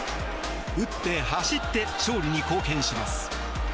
打って走って勝利に貢献します。